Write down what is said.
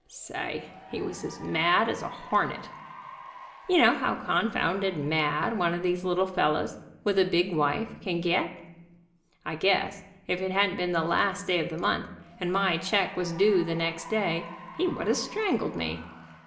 Say, he was mad as a hornet. You know how con founded mad one of these little fellows, with a big wife, can get. I guess if it hadn't been the last day of the month, and my check was due the next day, he would have strangled me.